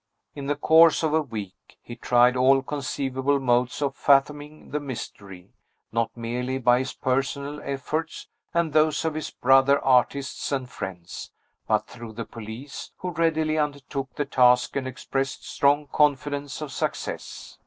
In the course of a week, he tried all conceivable modes of fathoming the mystery, not merely by his personal efforts and those of his brother artists and friends, but through the police, who readily undertook the task, and expressed strong confidence of success.